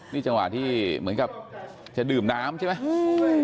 นี่จังหวะที่เหมือนกับจะดื่มน้ำใช่ไหม